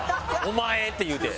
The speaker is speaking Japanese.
「お前」って言うて。